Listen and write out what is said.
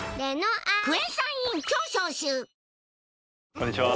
こんにちは。